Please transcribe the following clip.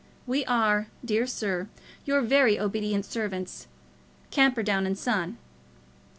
We are, dear sir, Your very obedient servants, CAMPERDOWN & SON.